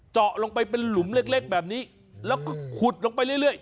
เจาะลงไปเป็นหลุมเล็กแบบนี้แล้วก็ขุดลงไปเรื่อย